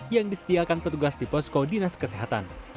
yang disediakan petugas di posko dinas kesehatan